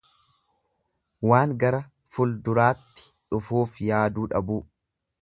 Waan gara ful duraatti dhufuuf yaaduu dhabuu.